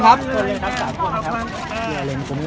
ขอช่วยคุณพี่อีกท่านหนึ่งครับ